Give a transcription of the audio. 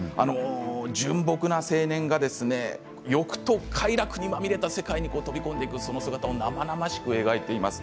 純朴な青年が欲と快楽にまみれた世界に飛び込んでいくその姿を生々しく描いています。